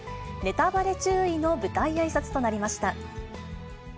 ネタバレ注意の舞台あいさつとなりました。